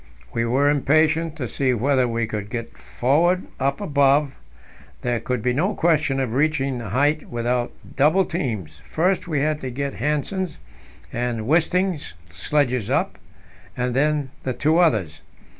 We were impatient to see whether we could get forward up above. There could be no question of reaching the height without double teams; first we had to get Hanssen's and Wisting's sledges up, and then the two others.